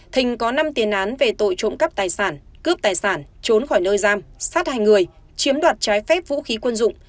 thình có năm tiền án về tội trộm cắp tài sản cướp tài sản trốn khỏi nơi giam sát hành người chiếm đoạt trái phép vũ khí quân dụng